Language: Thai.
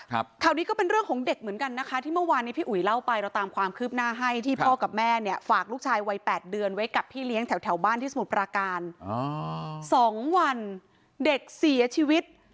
ข่าวนี้ก็เป็นเรื่องของเด็กเหมือนกันนะคะที่เมื่อวานนี้พี่อุ๋ยเล่าไปเราตามความคืบหน้าให้ที่พ่อกับแม่เนี่ยฝากลูกชายวัยแปดเดือนไว้กับพี่เลี้ยงแถวแถวบ้านที่สมุทรปราการอ๋อสองวันเด็กเสียชีวิต